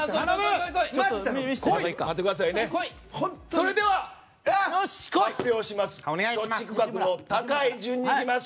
それでは、発表します！